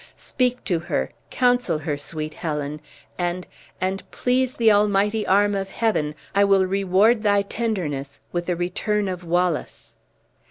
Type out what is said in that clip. Speak to her, counsel her, sweet Helen, and, and, please the Almighty arm of Heaven, I will reward thy tenderness with the return of Wallace!"